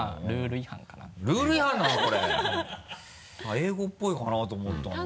英語っぽいかなと思ったのに。